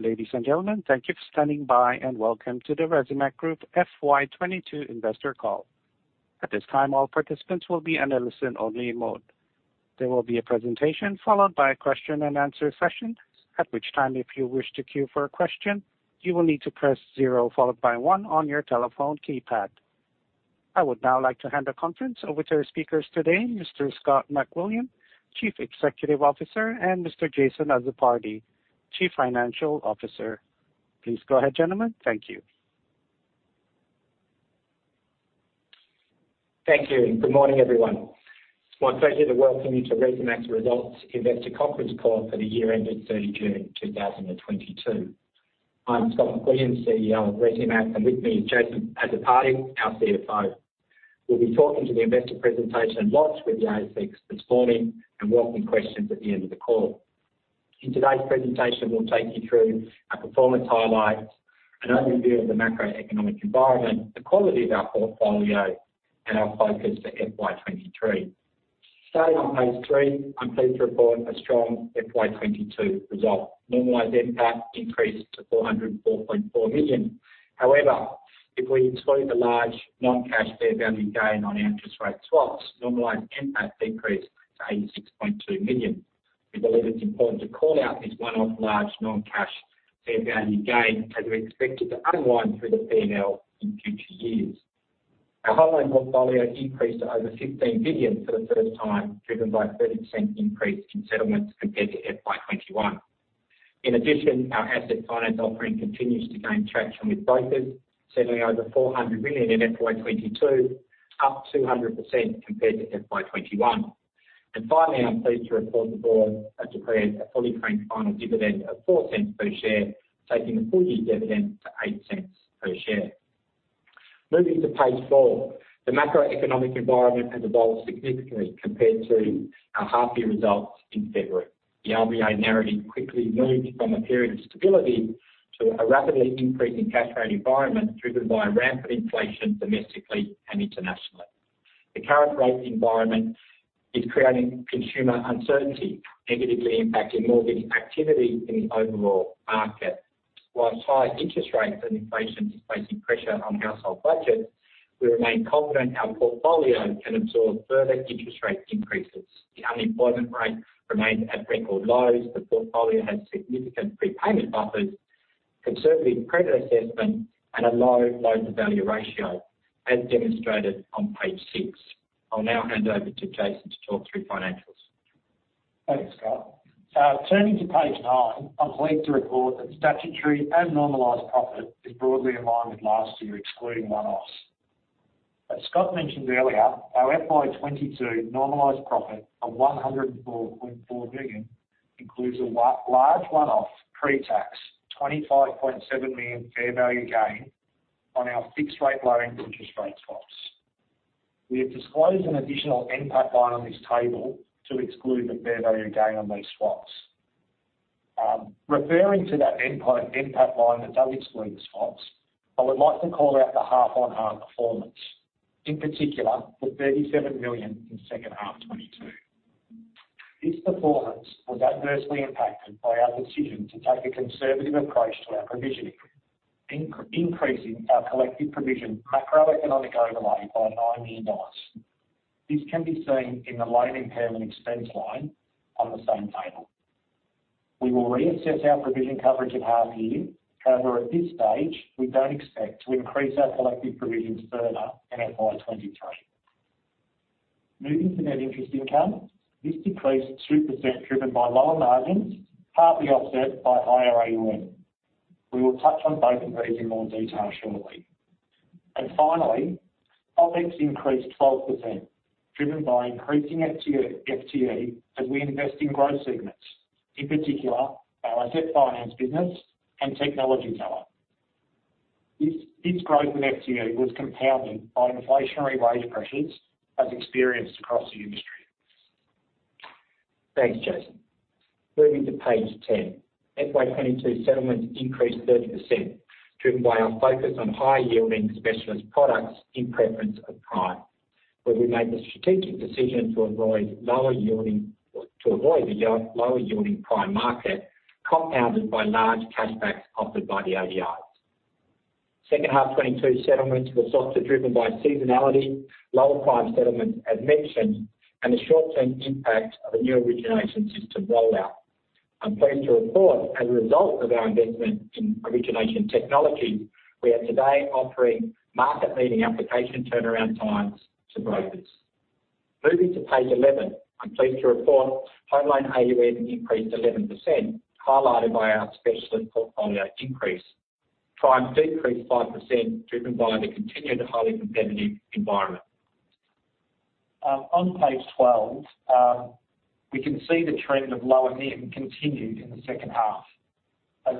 Ladies and gentlemen, thank you for standing by, and welcome to the Resimac Group FY 2022 investor call. At this time, all participants will be in a listen-only mode. There will be a presentation followed by a question and answer session, at which time if you wish to queue for a question, you will need to press Zero followed by One on your telephone keypad. I would now like to hand the conference over to our speakers today, Mr. Scott McWilliam, Chief Executive Officer, and Mr. Jason Azzopardi, Chief Financial Officer. Please go ahead, gentlemen. Thank you. Thank you. Good morning, everyone. It's my pleasure to welcome you to Resimac's results investor conference call for the year ended June 30th, 2022. I'm Scott McWilliam, CEO of Resimac, and with me is Jason Azzopardi, our CFO. We'll be talking to the investor presentation live with the ASX this morning and welcome questions at the end of the call. In today's presentation, we'll take you through our performance highlights, an overview of the macroeconomic environment, the quality of our portfolio, and our focus for FY 2023. Starting on page three, I'm pleased to report a strong FY 2022 result. Normalized NPAT increased to 404.4 million. However, if we exclude the large non-cash fair value gain on interest rate swaps, normalized NPAT decreased to 86.2 million. We believe it's important to call out this one-off large non-cash fair value gain as we expect it to unwind through the P&L in future years. Our home loan portfolio increased to over 15 billion for the first time, driven by a 30% increase in settlements compared to FY 2021. In addition, our asset finance offering continues to gain traction with brokers, settling over 400 million in FY 2022, up 200% compared to FY 2021. Finally, I'm pleased to report the board has declared a fully franked final dividend of 0.04 per share, taking the full-year dividend to 0.08 per share. Moving to page four. The macroeconomic environment has evolved significantly compared to our half-year results in February. The RBA narrative quickly moved from a period of stability to a rapidly increasing cash rate environment, driven by rampant inflation domestically and internationally. The current rate environment is creating consumer uncertainty, negatively impacting mortgage activity in the overall market. While higher interest rates and inflation is placing pressure on household budgets, we remain confident our portfolio can absorb further interest rate increases. The unemployment rate remains at record lows. The portfolio has significant prepayment buffers, conservative credit assessment, and a low loans-to-value ratio, as demonstrated on page six. I'll now hand over to Jason to talk through financials. Thanks, Scott. Turning to page nine, I'm pleased to report that statutory and normalized profit is broadly in line with last year, excluding one-offs. As Scott mentioned earlier, our FY 2022 normalized profit of 104.4 million includes a large one-off pre-tax 25.7 million fair value gain on our fixed rate loan interest rate swaps. We have disclosed an additional NPAT line on this table to exclude the fair value gain on these swaps. Referring to that NPAT line that does exclude the swaps, I would like to call out the half-on-half performance, in particular, the 37 million in second half 2022. This performance was adversely impacted by our decision to take a conservative approach to our provisioning, increasing our collective provision macroeconomic overlay by 90 million dollars. This can be seen in the loan impairment expense line on the same table. We will reassess our provision coverage at half year. However, at this stage, we don't expect to increase our collective provisions further in FY 2023. Moving to net interest income. This decreased 2% driven by lower margins, partly offset by higher AUM. We will touch on both of these in more detail shortly. Finally, OpEx increased 12%, driven by increasing FTE as we invest in growth segments, in particular, our asset finance business and technology development. This growth in FTE was compounded by inflationary wage pressures as experienced across the industry. Thanks, Jason. Moving to page 10. FY 2022 settlements increased 30%, driven by our focus on high-yielding specialist products in preference of prime, where we made the strategic decision to avoid lower yielding prime market, compounded by large cashbacks offered by the ADIs. Second half 2022 settlements were softer, driven by seasonality, lower prime settlements as mentioned, and the short-term impact of a new origination system rollout. I'm pleased to report, as a result of our investment in origination technology, we are today offering market-leading application turnaround times to brokers. Moving to page 11. I'm pleased to report home loan AUM increased 11%, highlighted by our specialist portfolio increase. Prime decreased 5%, driven by the continued highly competitive environment. On page 12, we can see the trend of lower NIM continued in the second half.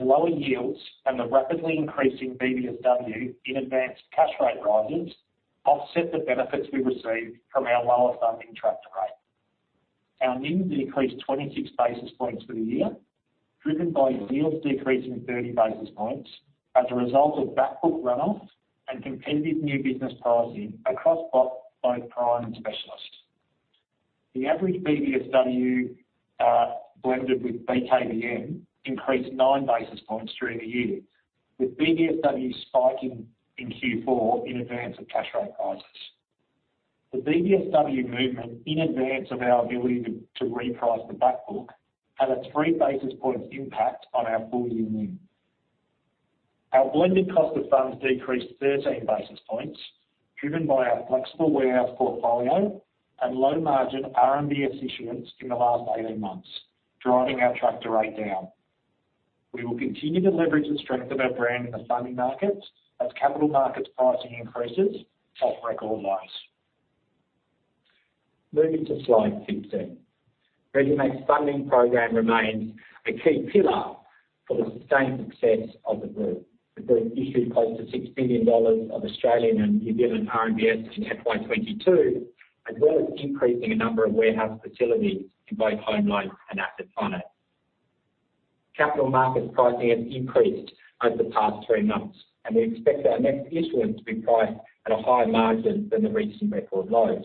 Lower yields and the rapidly increasing BBSW in advance of cash rate rises offset the benefits we received from our lower funding tracker rate. Our NIM decreased 26 basis points for the year, driven by yields decreasing 30 basis points as a result of back book runoff and competitive new business pricing across both prime and specialist. The average BBSW blended with BKBM increased 9 basis points during the year, with BBSW spiking in Q4 in advance of cash rate rises. The BBSW movement in advance of our ability to reprice the back book had a 3 basis points impact on our full year NIM. Our blended cost of funds decreased 13 basis points, driven by our flexible warehouse portfolio and low margin RMBS issuance in the last 18 months, driving our tracker rate down. We will continue to leverage the strength of our brand in the funding markets as capital markets pricing increases off record lows. Moving to slide 15. Resimac's funding program remains a key pillar for the sustained success of the group. The group issued close to 6 billion dollars of Australian and New Zealand RMBS in FY 2022, as well as increasing a number of warehouse facilities in both home loans and asset finance. Capital markets pricing has increased over the past three months, and we expect our next issuance to be priced at a higher margin than the recent record lows.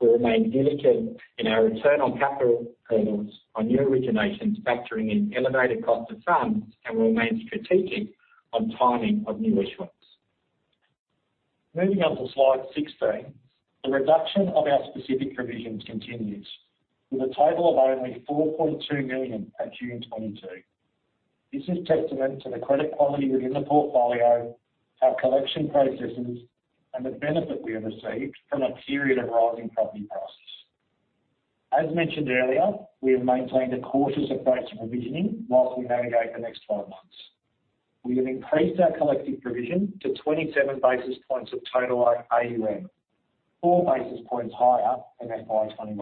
We remain diligent in our return on capital hurdles on new originations, factoring in elevated cost of funds, and remain strategic on timing of new issuance. Moving on to slide 16. The reduction of our specific provisions continues, with a total of only 4.2 million at June 2022. This is testament to the credit quality within the portfolio, our collection processes, and the benefit we have received from a period of rising property prices. As mentioned earlier, we have maintained a cautious approach to provisioning while we navigate the next 12 months. We have increased our collective provision to 27 basis points of total loan AUM, 4 basis points higher than FY 2021.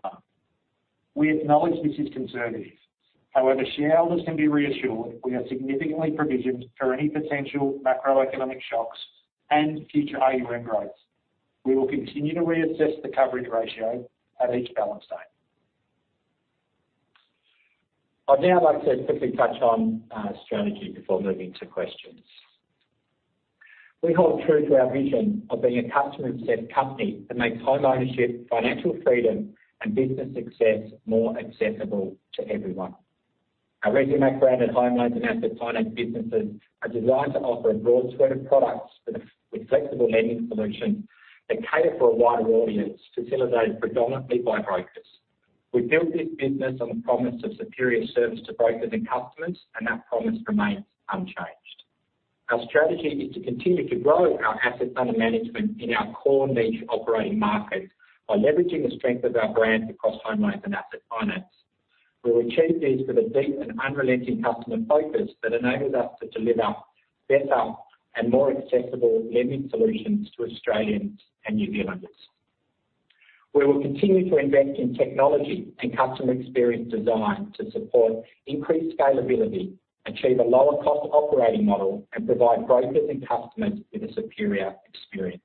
We acknowledge this is conservative. However, shareholders can be reassured we are significantly provisioned for any potential macroeconomic shocks and future AUM growth. We will continue to reassess the coverage ratio at each balance date. I'd now like to quickly touch on strategy before moving to questions. We hold true to our vision of being a customer-obsessed company that makes homeownership, financial freedom, and business success more accessible to everyone. Our Resimac branded home loans and asset finance businesses are designed to offer a broad suite of products with flexible lending solutions that cater for a wider audience, facilitated predominantly by brokers. We built this business on the promise of superior service to brokers and customers, and that promise remains unchanged. Our strategy is to continue to grow our assets under management in our core niche operating markets by leveraging the strength of our brands across home loans and asset finance. We'll achieve this with a deep and unrelenting customer focus that enables us to deliver better and more accessible lending solutions to Australians and New Zealanders. We will continue to invest in technology and customer experience design to support increased scalability, achieve a lower cost operating model, and provide brokers and customers with a superior experience.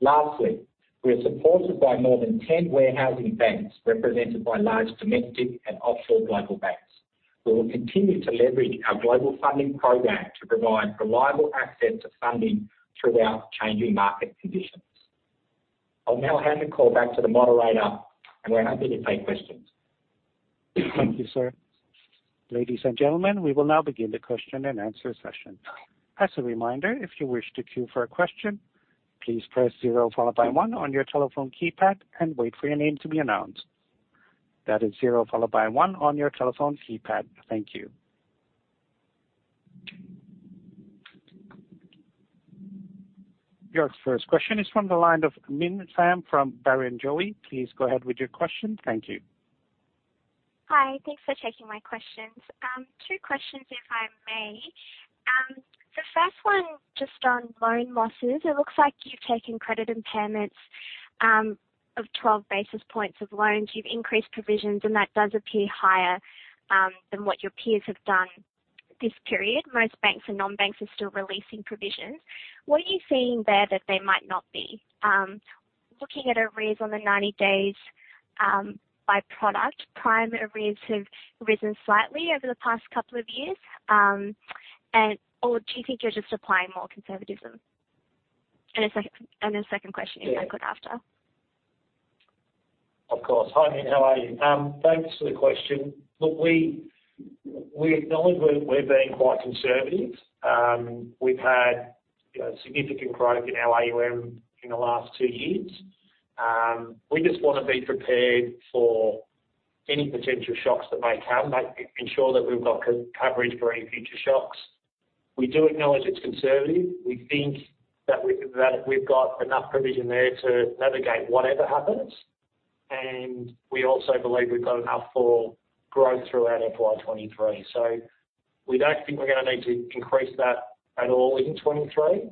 Lastly, we are supported by more than 10 warehousing banks represented by large domestic and offshore global banks. We will continue to leverage our global funding program to provide reliable access to funding throughout changing market conditions. I'll now hand the call back to the moderator, and we're happy to take questions. Thank you, sir. Ladies and gentlemen, we will now begin the question-and-answer session. As a reminder, if you wish to queue for a question, please press zero followed by one on your telephone keypad and wait for your name to be announced. That is zero followed by one on your telephone keypad. Thank you. Your first question is from the line of Minh Pham from Barrenjoey. Please go ahead with your question. Thank you. Hi. Thanks for taking my questions. Two questions, if I may. The first one just on loan losses. It looks like you've taken credit impairments of 12 basis points of loans. You've increased provisions, and that does appear higher than what your peers have done this period. Most banks and non-banks are still releasing provisions. What are you seeing there that they might not be? Looking at arrears on the 90 days by product, prime arrears have risen slightly over the past couple of years, or do you think you're just applying more conservatism? A second question, if I could after. Of course. Hi, [Min]. How are you? Thanks for the question. Look, we acknowledge we're being quite conservative. We've had, you know, significant growth in our AUM in the last two years. We just want to be prepared for any potential shocks that may come, ensure that we've got coverage for any future shocks. We do acknowledge it's conservative. We think that we've got enough provision there to navigate whatever happens, and we also believe we've got enough for growth throughout FY 2023. We don't think we're going to need to increase that at all in 2023.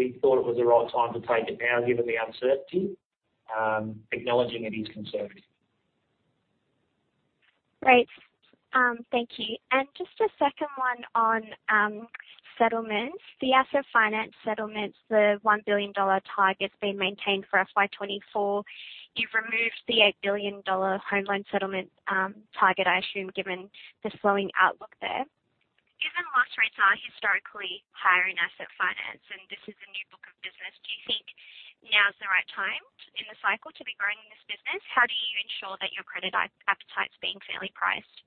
We thought it was the right time to take it now given the uncertainty, acknowledging it is conservative. Great. Thank you. Just a second one on settlements. The asset finance settlements, the 1 billion dollar target's been maintained for FY 2024. You've removed the 8 billion dollar home loan settlement target, I assume, given the slowing outlook there. Are historically higher in asset finance, and this is a new book of business. Do you think now is the right time in the cycle to be growing this business? How do you ensure that your credit appetite is being fairly priced?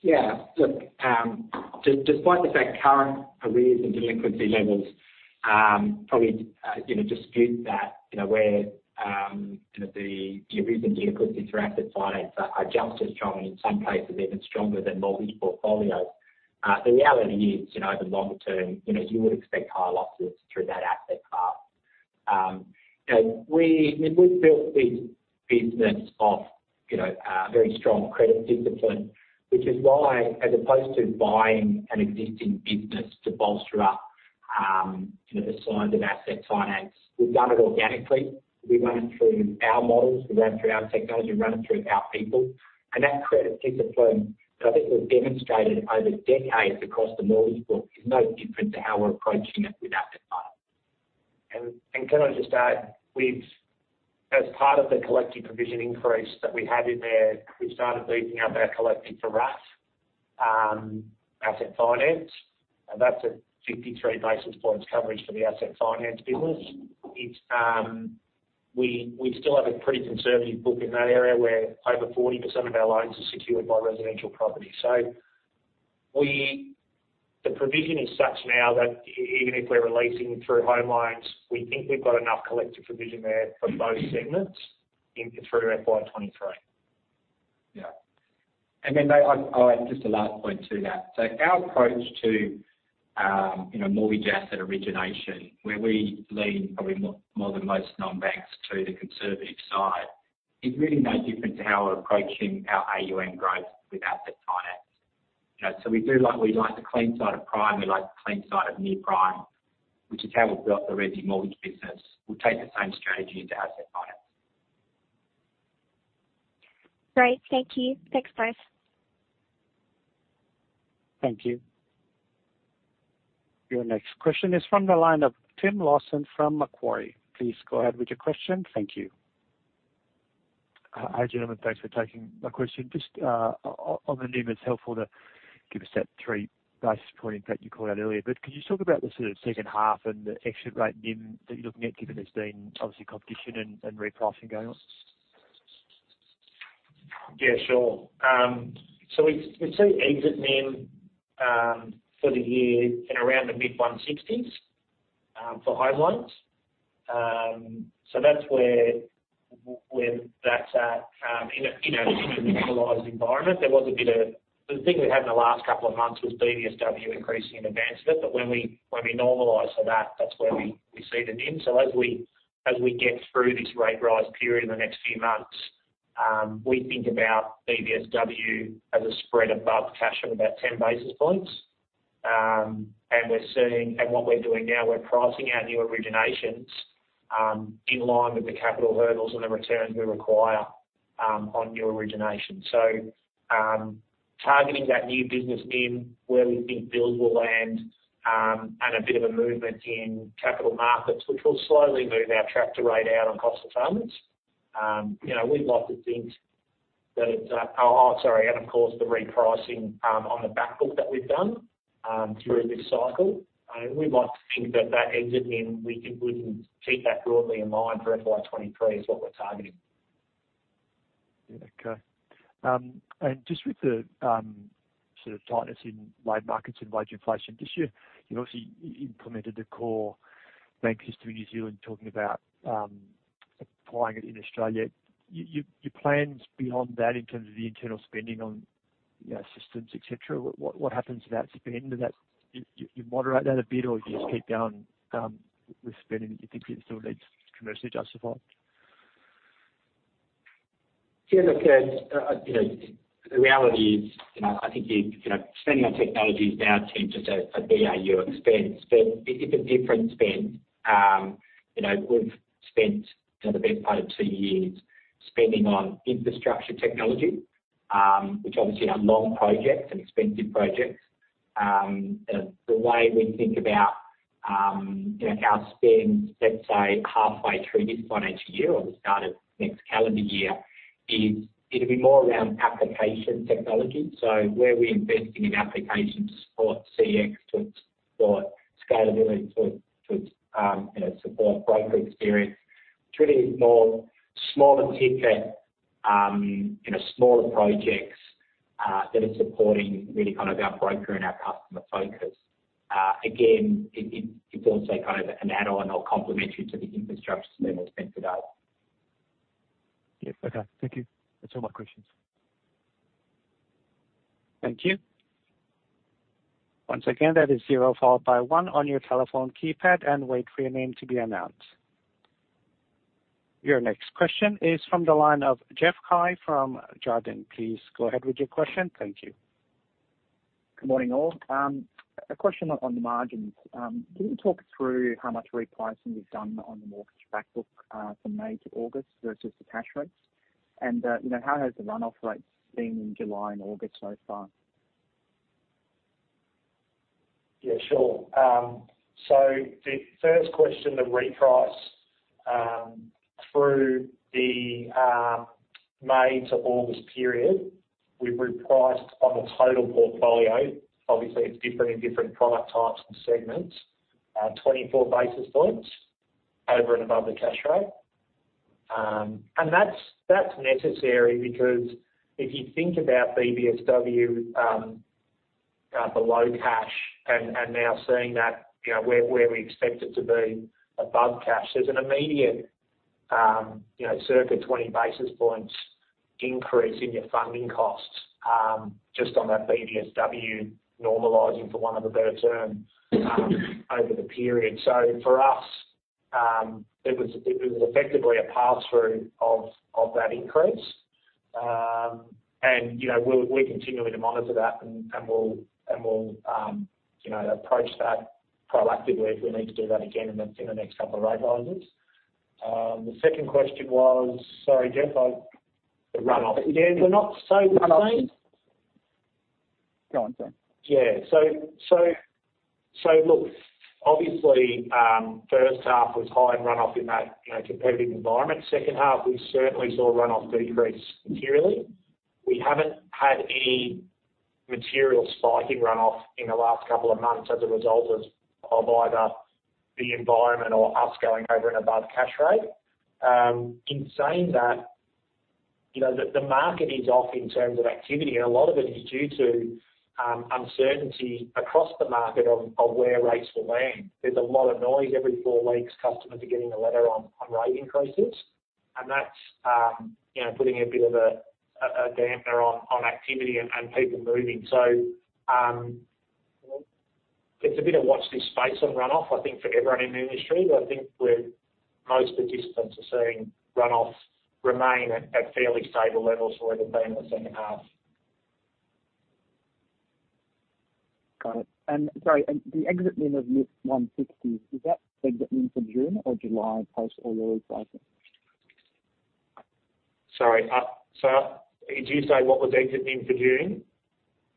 Yeah, look, despite the fact current arrears and delinquency levels, probably, you know, dispute that, you know, where, the arrears and delinquencies for asset finance are just as strong and in some cases even stronger than mortgage portfolios. The reality is, you know, over longer term, you know, you would expect high losses through that asset class. We've built this business off, you know, very strong credit discipline, which is why, as opposed to buying an existing business to bolster up, you know, the size of asset finance, we've done it organically. We run it through our models. We run it through our technology. We run it through our people. That credit discipline that I think we've demonstrated over decades across the mortgage book is no different to how we're approaching it with asset finance. Can I just add, as part of the collective provision increase that we had in there, we started beefing up our collective for RAF, asset finance, and that's a 53 basis points coverage for the asset finance business. It's. We still have a pretty conservative book in that area where over 40% of our loans are secured by residential property. The provision is such now that even if we're releasing through home loans, we think we've got enough collective provision there for both segments in through FY 2023. Yeah. Mate, I'll add just a last point to that. Our approach to, you know, mortgage asset origination, where we lean probably more than most non-banks to the conservative side, is really no different to how we're approaching our AUM growth with asset finance. You know, we do like, we like the clean side of prime, we like the clean side of near prime, which is how we've built the Resi mortgage business. We'll take the same strategy into asset finance. Great. Thank you. Thanks, guys. Thank you. Your next question is from the line of Tim Lawson from Macquarie. Please go ahead with your question. Thank you. Hi, gentlemen. Thanks for taking my question. Just on the NIM, it's helpful to give us that 3 basis points impact you called out earlier. Could you talk about the sort of second half and the extra rate NIM that you're looking at, given there's been obviously competition and repricing going on? Yeah, sure. We see exit NIM for the year in around the mid-1.60%s for home loans. That's where that's at in a normalized environment. There was a bit. The thing we had in the last couple of months was BBSW increasing in advance of it. When we normalize for that's where we see the NIM. As we get through this rate rise period in the next few months, we think about BBSW as a spread above cash on about 10 basis points. What we're doing now, we're pricing our new originations in line with the capital hurdles and the returns we require on new originations. So, targeting that new business NIM where we think bills will land and a bit of a movement in capital markets, which will slowly move our tracker rate out on cost of funds. You know, we'd like to think that it's and of course the repricing on the back book that we've done through this cycle. We'd like to think that that exit NIM we can keep that broadly in mind for FY 2023 is what we're targeting. Yeah, okay. Just with the sort of tightness in labor markets and wage inflation, this year you obviously implemented the core banking system in New Zealand, talking about applying it in Australia. Your plans beyond that in terms of the internal spending on, you know, systems, et cetera, what happens to that spend? Do you moderate that a bit or you just keep going with spending that you think it still needs commercially justified? Yeah, look, you know, the reality is, you know, I think you know, spending on technology is now seen just a BAU expense, but it's a different spend. You know, we've spent, you know, the best part of two years spending on infrastructure technology, which obviously are long projects and expensive projects. The way we think about, you know, our spend, let's say halfway through this financial year or the start of next calendar year, is it'll be more around application technology. Where we're investing in application to support CX, to support scalability, to support broker experience. It's really more smaller ticket, you know, smaller projects that are supporting really kind of our broker and our customer focus. Again, it's also kind of an add-on or complementary to the infrastructure spend we've spent to date. Yeah. Okay. Thank you. That's all my questions. Thank you. Once again, that is zero followed by one on your telephone keypad, and wait for your name to be announced. Your next question is from the line of Jeff Cai from Jarden. Please go ahead with your question. Thank you. Good morning, all. A question on the margins. Can you talk through how much repricing you've done on the mortgage-backed book, from May to August versus the cash rates? You know, how has the runoff rates been in July and August so far? Yeah, sure. The first question, the reprice through the May to August period, we repriced on the total portfolio. Obviously, it's different in different product types and segments, 24 basis points over and above the cash rate. That's necessary because if you think about BBSW, below cash and now seeing that, you know, where we expect it to be above cash, there's an immediate, you know, circa 20 basis points increase in your funding costs, just on that BBSW normalizing for want of a better term, over the period. For us, it was effectively a pass-through of that increase. You know, we're continuing to monitor that and we'll, you know, approach that proactively if we need to do that again in the next couple of rate rises. The second question was. Sorry, Jeff. The runoff. Yeah. Not so the same. Go on, go on. Yeah. Look, obviously, first half was high in runoff in that, you know, competitive environment. Second half, we certainly saw runoff decrease materially. We haven't had any material spike in runoff in the last couple of months as a result of either the environment or us going over and above cash rate. In saying that, you know, the market is off in terms of activity, and a lot of it is due to uncertainty across the market on where rates will land. There's a lot of noise every four weeks, customers are getting a letter on rate increases. That's you know, putting a bit of a damper on activity and people moving. It's a bit of watch this space on runoff, I think for everyone in the industry. I think we're. Most participants are seeing runoff remain at fairly stable levels for where they've been in the second half. Got it. Sorry, the exit NIM of mid-1.60%, is that the exit NIM for June or July post all your repricing? Sorry, did you say what was exit NIM for June?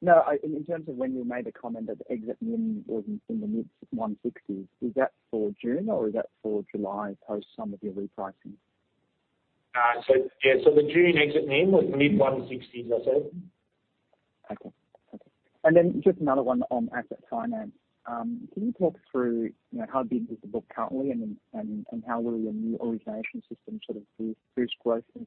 No, in terms of when you made the comment that exit NIM was in the mid 1.60%s, is that for June or is that for July post some of your repricing? Yeah. The June exit NIM was mid-1.60%s, I said. Just another one on asset finance. Can you talk through, you know, how big is the book currently and then how will your new origination system sort of boost growth in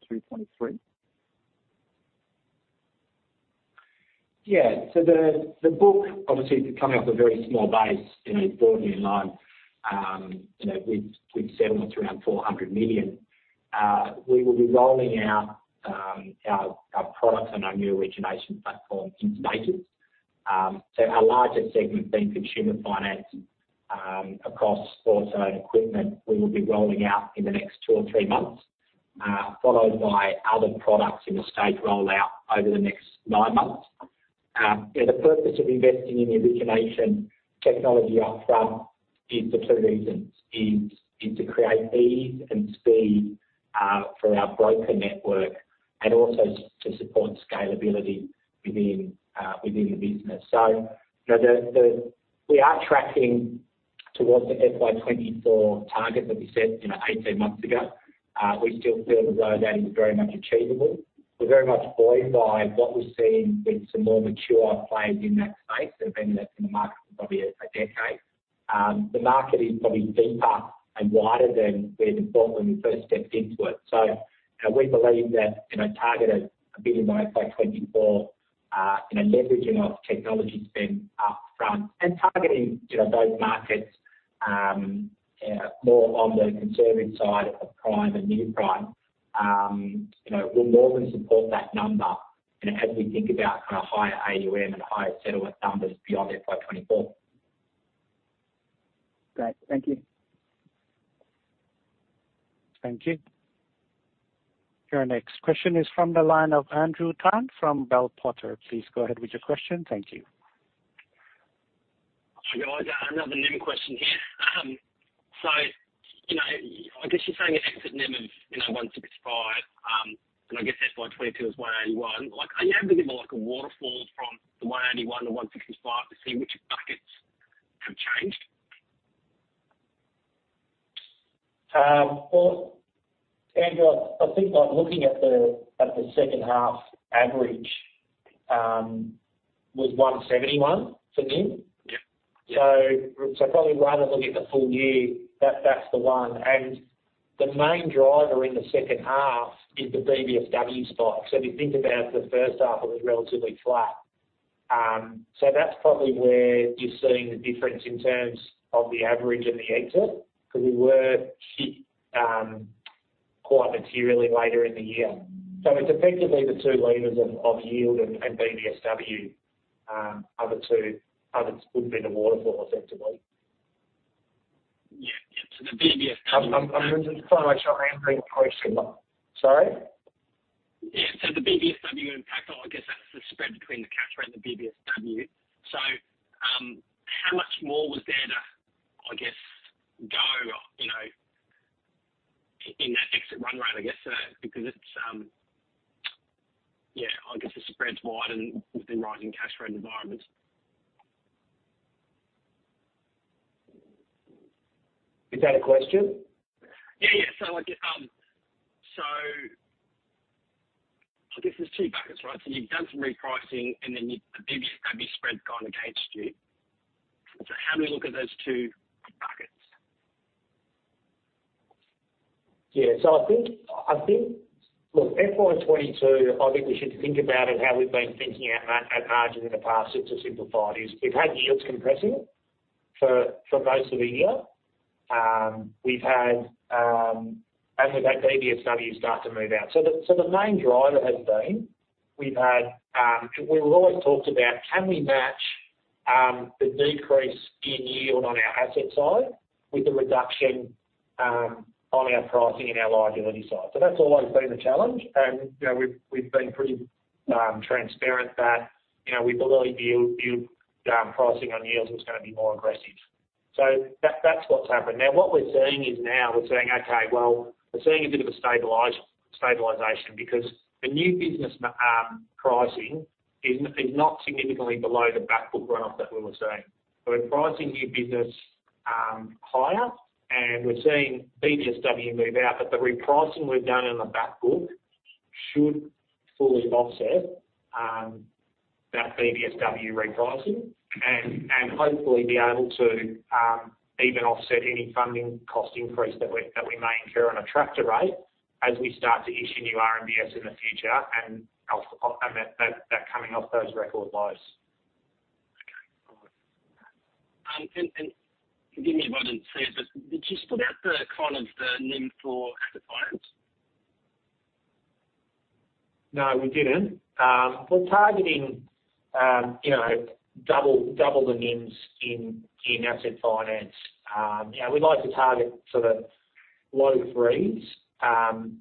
2023? The book obviously is coming off a very small base, you know, broadly in line, you know, with settlements around 400 million. We will be rolling out our products on our new origination platform in stages. Our largest segment being consumer finance, across auto and equipment, we will be rolling out in the next two or three months, followed by other products in a staged rollout over the next nine months. You know, the purpose of investing in the origination technology upfront is for two reasons to create ease and speed for our broker network and also to support scalability within the business. You know, we are tracking towards the FY 2024 target that we set, you know, 18 months ago. We still feel as though that is very much achievable. We're very much buoyed by what we're seeing with some more mature players in that space that have been in the market for probably a decade. The market is probably deeper and wider than we had thought when we first stepped into it. You know, we believe that, you know, target 1 billion by FY 2024, you know, leveraging off technology spend up front and targeting, you know, those markets, more on the conservative side of prime and near prime, you know, will more than support that number, you know, as we think about kind of higher AUM and higher settlement numbers beyond FY 2024. Great. Thank you. Thank you. Your next question is from the line of Andrew Tan from Bell Potter. Please go ahead with your question. Thank you. Hi, guys. Another NIM question here. You know, I guess you're saying an exit NIM of, you know, 1.65%, and I guess FY 2022 was 1.81%. Like, are you able to give like a waterfall from the 1.81% to 1.65% to see which buckets have changed? Well, Andrew, I think, like, looking at the second half average was 1.71% for NIM. Yeah. Yeah. Probably rather look at the full year, that's the one. The main driver in the second half is the BBSW spike. If you think about the first half, it was relatively flat. That's probably where you're seeing the difference in terms of the average and the exit, 'cause we were hit quite materially later in the year. It's effectively the two levers of yield and BBSW would have been the waterfall effectively. Yeah, yeah. The BBSW. I'm just trying to make sure I am being approached similar. Sorry? Yeah. The BBSW impact, or I guess that's the spread between the cash rate and the BBSW. How much more was there because it's, yeah, I guess the spreads widened within rising cash rate environments. Is that a question? Yeah. I guess there's two buckets, right? You've done some repricing and then maybe spreads kind of gauged you. How do we look at those two buckets? Yeah. I think. Look, FY 2022, I think we should think about it, how we've been thinking at margin in the past. To simplify it is we've had yields compressing for most of the year. We've had and we've had BBSW start to move out. The main driver has been we've always talked about can we match the decrease in yield on our asset side with the reduction on our pricing and our liability side. That's always been the challenge and, you know, we've been pretty transparent that, you know, we believe yield pricing on yields was gonna be more aggressive. That's what's happened. What we're seeing is a bit of a stabilization because the new business pricing is not significantly below the back book runoff that we were seeing. We're pricing new business higher, and we're seeing BBSW move out. The repricing we've done in the back book should fully offset that BBSW repricing and hopefully be able to even offset any funding cost increase that we may incur on a tracker rate as we start to issue new RMBS in the future off that coming off those record lows. Forgive me if I didn't see it, but did you spit out the kind of the NIM for asset finance? No, we didn't. We're targeting, you know, double the NIMs in asset finance. You know, we'd like to target sort of low threes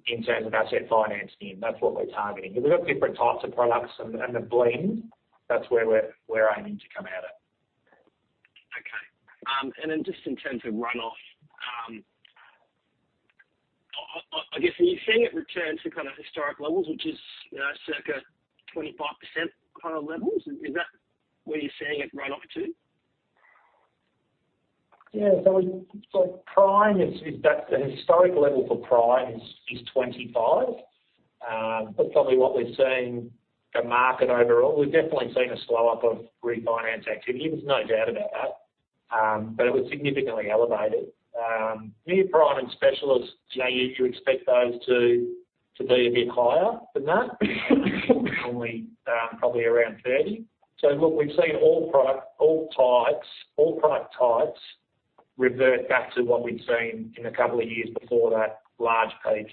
in terms of asset finance NIM. That's what we're targeting. We've got different types of products and the blend, that's where we're aiming to come at it. Okay. Just in terms of runoff, I guess are you seeing it return to kind of historic levels, which is, you know, circa 25% kind of levels? Is that where you're seeing it run off to? The historic level for prime is 25%. That's probably what we've seen in the market overall. We've definitely seen a slow up of refinance activity, there's no doubt about that, but it was significantly elevated. Near prime and specialists, you know, you expect those to be a bit higher than that, only probably around 30%. Look, we've seen all product types revert back to what we'd seen in a couple of years before that large peak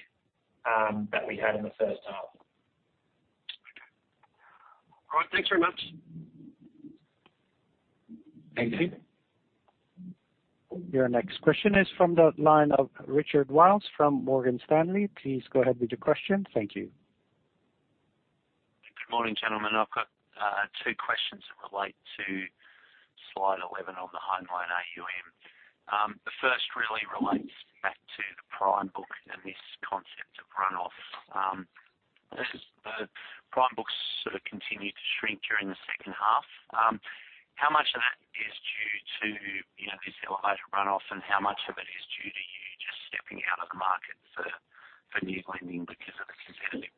that we had in the first half. Okay. All right. Thanks very much. Thank you. Your next question is from the line of Richard Wiles from Morgan Stanley. Please go ahead with your question. Thank you. Good morning, gentlemen. I've got two questions that relate to slide 11 on the home loan AUM. The first really relates back to the prime book and this concept of runoff. This is the prime books sort of continued to shrink during the second half. How much of that is due to, you know, this elevated runoff, and how much of it is due to you just stepping out of the market for new lending because of the competitive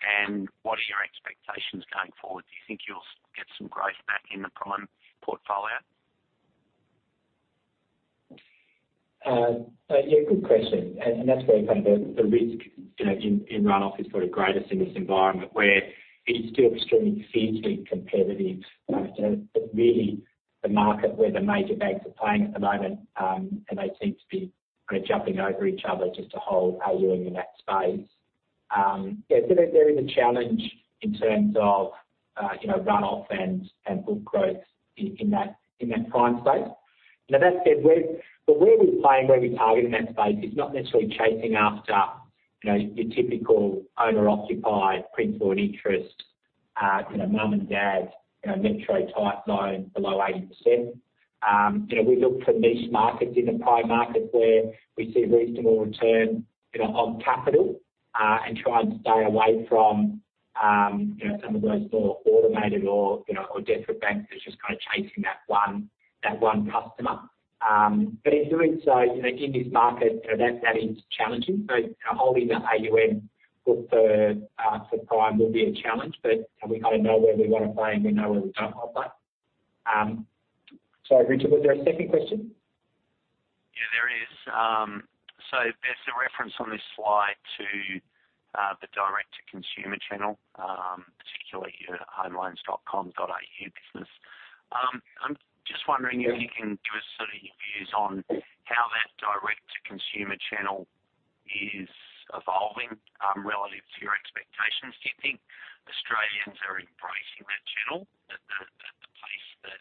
pricing? What are your expectations going forward? Do you think you'll get some growth back in the prime portfolio? Yeah, good question, and that's where kind of the risk, you know, in runoff is sort of greatest in this environment where it is still extremely fiercely competitive. You know, really the market where the major banks are playing at the moment, and they seem to be kind of jumping over each other just to hold AUM in that space. Yeah, there is a challenge in terms of, you know, runoff and book growth in that prime space. Now that said, where we play and where we target in that space is not necessarily chasing after, you know, your typical owner-occupied principal and interest, you know, mum and dad, you know, metro type loan below 80%. You know, we look for niche markets in the prime markets where we see reasonable return, you know, on capital, and try and stay away from, you know, some of those more automated or desperate banks that's just kind of chasing that one customer. In doing so, you know, in this market, you know, that is challenging. You know, holding that AUM book for prime will be a challenge, but we kind of know where we want to play and we know where we don't want to play. Sorry, Richard, was there a second question? Yeah, there is. There's a reference on this slide to the direct-to-consumer channel, particularly your homeloans.com.au business. I'm just wondering if you can give us sort of your views on how that direct-to-consumer channel is evolving relative to your expectations. Do you think Australians are embracing that channel at the pace that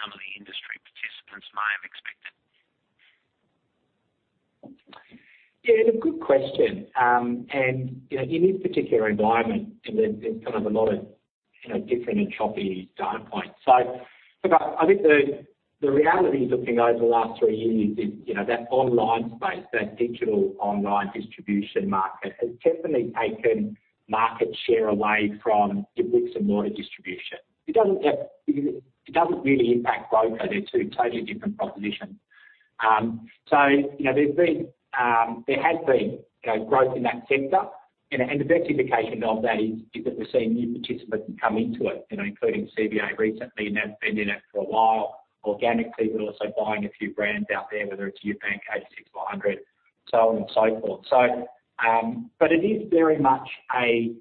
some of the industry participants may have expected? Yeah, look, good question. You know, in this particular environment and there's kind of a lot of you know, different and choppy data points. Look, I think the reality is, looking over the last three years, you know, that online space, that digital online distribution market, has definitely taken market share away from the bricks-and-mortar distribution. It doesn't really impact broker. They're two totally different propositions. You know, there has been, you know, growth in that sector, and the best indication of that is that we're seeing new participants come into it, you know, including CBA recently, and they've been in it for a while. NAB is also buying a few brands out there, whether it's UBank, 86 400, so on and so forth. It is very much a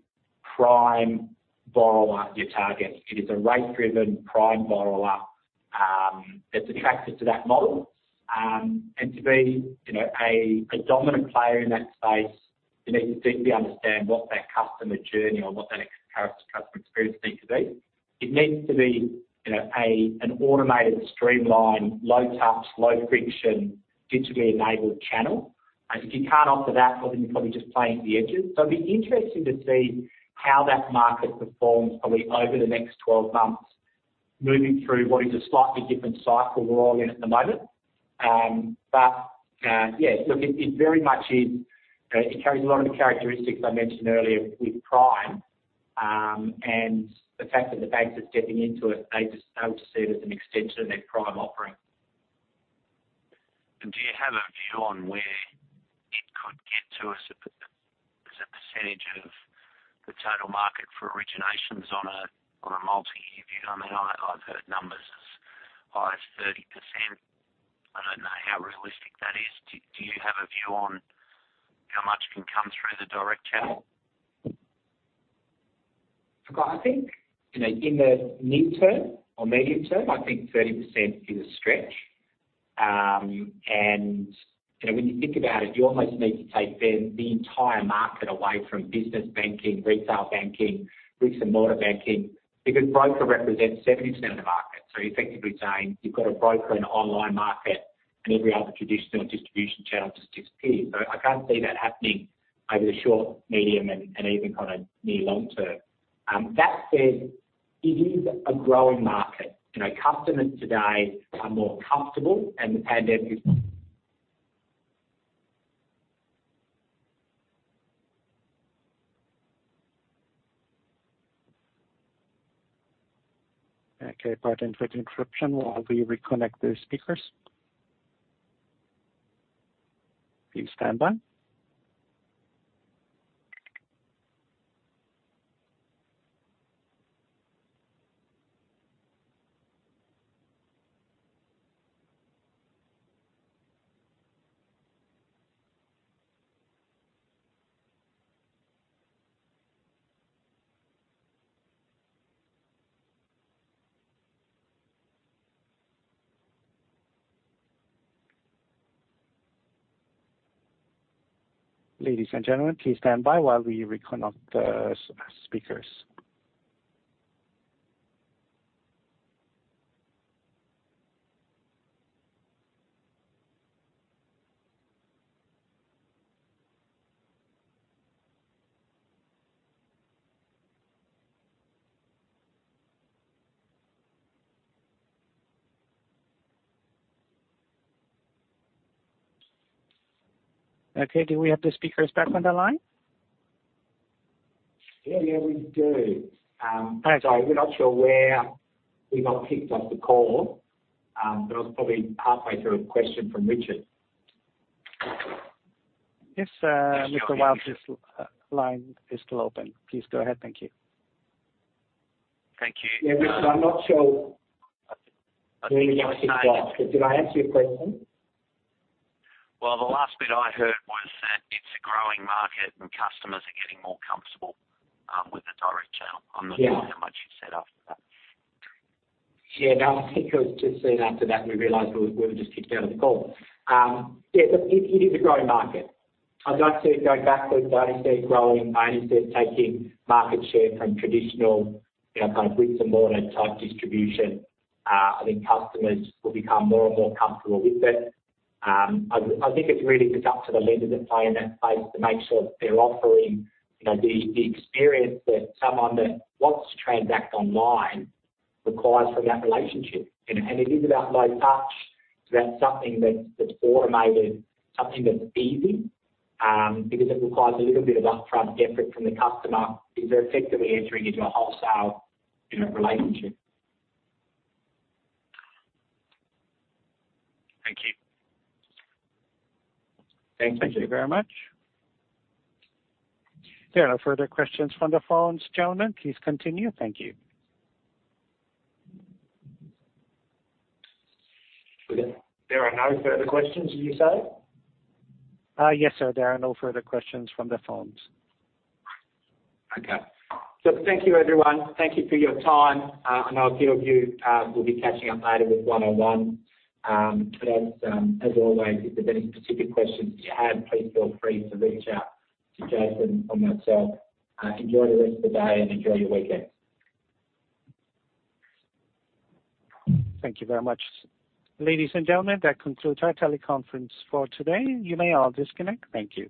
prime borrower, your target. It is a rate-driven prime borrower that's attracted to that model. To be, you know, a dominant player in that space, you need to deeply understand what that customer journey or what that customer experience needs to be. It needs to be, you know, an automated, streamlined, low-touch, low-friction, digitally enabled channel. If you can't offer that, well, then you're probably just playing at the edges. It'll be interesting to see how that market performs probably over the next 12 months, moving through what is a slightly different cycle we're all in at the moment. It very much is, you know, it carries a lot of the characteristics I mentioned earlier with Prime. The fact that the banks are stepping into it, they just, they will see it as an extension of their prime offering. Do you have a view on where it could get to as a percentage of the total market for originations on a multi-year view? I mean, I've heard numbers as high as 30%. I don't know how realistic that is. Do you have a view on how much can come through the direct channel? Look, I think, you know, in the near term or medium term, I think 30% is a stretch. You know, when you think about it, you almost need to take the entire market away from business banking, retail banking, bricks-and-mortar banking, because broker represents 70% of the market. You're effectively saying you've got a broker and online market, and every other traditional distribution channel just disappears. I can't see that happening over the short, medium, and even kind of near long term. That said, it is a growing market. You know, customers today are more comfortable, and the pandemic. Okay, pardon for the interruption while we reconnect the speakers. Please stand by. Ladies and gentlemen, please stand by while we reconnect the speakers. Okay. Do we have the speakers back on the line? Yeah, we do. We're not sure where we got kicked off the call, but I was probably halfway through a question from Richard. Yes, Mr. Wiles, line is still open. Please go ahead. Thank you. Thank you. Yeah, Richard, I'm not sure really where we lost you. Did I answer your question? Well, the last bit I heard was that it's a growing market and customers are getting more comfortable with the direct channel. Yeah. I'm not sure how much you've said after that. Yeah. No, I think it was just soon after that, we realized we were just kicked out of the call. Yeah, look, it is a growing market. I don't see it going backwards. I only see it growing. I only see it taking market share from traditional, you know, kind of bricks-and-mortar type distribution. I think customers will become more and more comfortable with it. I think it's really just up to the lender to play in that space to make sure that they're offering, you know, the experience that someone that wants to transact online requires from that relationship. You know, and it is about low touch. It's about something that's automated, something that's easy, because it requires a little bit of upfront effort from the customer because they're effectively entering into a wholesale, you know, relationship. Thank you. Thank you. Thank you very much. There are no further questions from the phones, gentlemen. Please continue. Thank you. There are no further questions, did you say? Yes, sir. There are no further questions from the phones. Okay. Thank you, everyone. Thank you for your time. I know a few of you will be catching up later with one-on-one. As always, if there's any specific questions that you have, please feel free to reach out to Jason or myself. Enjoy the rest of the day and enjoy your weekend. Thank you very much. Ladies and gentlemen, that concludes our teleconference for today. You may all disconnect. Thank you.